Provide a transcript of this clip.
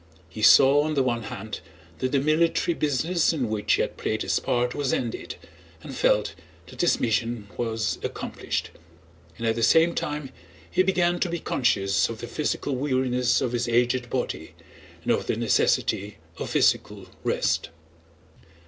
He saw on the one hand that the military business in which he had played his part was ended and felt that his mission was accomplished; and at the same time he began to be conscious of the physical weariness of his aged body and of the necessity of physical rest.